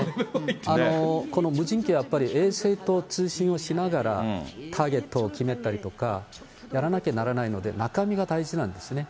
この無人機やっぱり、衛星と通信をしながら、ターゲットを決めたりとか、やらなきゃならないので、中身が大事なんですね。